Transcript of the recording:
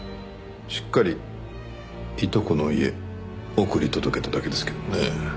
しっかりいとこの家送り届けただけですけどもね。